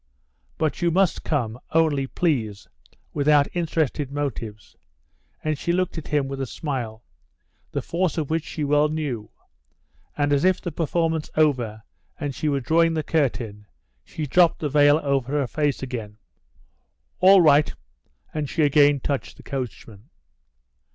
"But you must come, only, please, without interested motives," and she looked at him with a smile, the force of which she well knew, and, as if the performance over and she were drawing the curtain, she dropped the veil over her face again. "All right," and she again touched the coachman.